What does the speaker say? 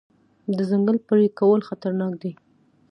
د ځنګل پرې کول خطرناک دي.